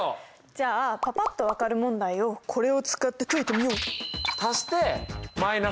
じゃあパパっと分かる問題をこれを使って解いてみよう。